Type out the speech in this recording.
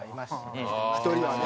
１人はね。